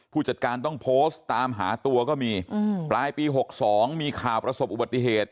ผู้จัดการต้องโพสต์ตามหาตัวก็มีปลายปี๖๒มีข่าวประสบอุบัติเหตุ